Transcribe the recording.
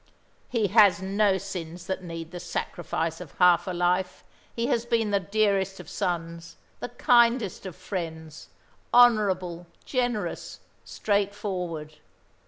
"He has no sins that need the sacrifice of half a life. He has been the dearest of sons, the kindest of friends, honourable, generous, straightforward.